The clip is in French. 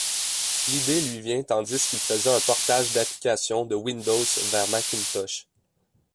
L'idée lui vient tandis qu'il faisait un portage d'application de Windows vers Macintosh.